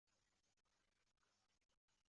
所有的筹款活动几乎全靠募款人的游说。